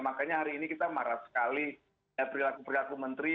makanya hari ini kita marah sekali perilaku perilaku menteri